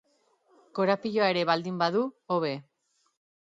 Korapiloa ere baldin badu, hobe.